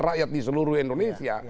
rakyat di seluruh indonesia